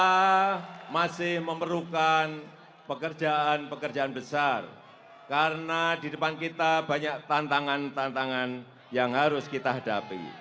kita masih memerlukan pekerjaan pekerjaan besar karena di depan kita banyak tantangan tantangan yang harus kita hadapi